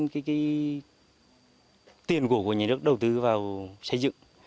cái tiền của nhà nước đầu tư vào xây dựng